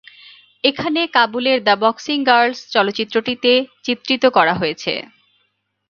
এখানে "কাবুলের the boxing girls" চলচ্চিত্রটিতে চিত্রিত করা হয়েছে।